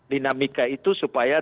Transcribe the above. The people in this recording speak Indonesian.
dinamika itu supaya